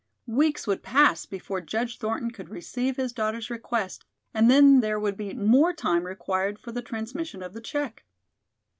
Weeks would pass before Judge Thornton could receive his daughter's request and then there would be more time required for the transmission of the check.